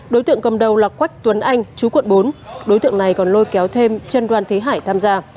đối tượng cầm đầu là quách tuấn anh chú quận bốn đối tượng này còn lôi kéo thêm chân đoàn thế hải tham gia